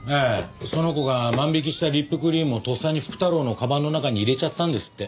その子が万引きしたリップクリームをとっさに福太郎のかばんの中に入れちゃったんですって。